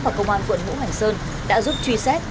và công an quận ngũ hành sơn đã giúp truy xét